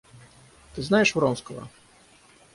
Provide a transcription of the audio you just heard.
Ты знаешь Вронского?